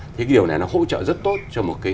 thế điều này nó hỗ trợ rất tốt cho một cái